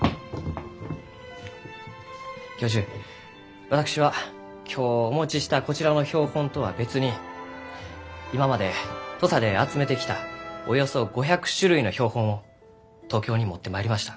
教授私は今日お持ちしたこちらの標本とは別に今まで土佐で集めてきたおよそ５００種類の標本を東京に持ってまいりました。